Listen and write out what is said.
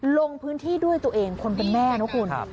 ลงพื้นที่ด้วยตัวเองคนเป็นแม่นะคุณ